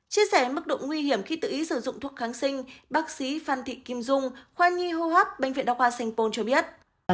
chia sẻ mức độ nguy hiểm khi tự ý sử dụng thuốc kháng sinh bác sĩ phan thị kim dung khoa nhi hô hắc bệnh viện đọc hoa sành pôn cho biết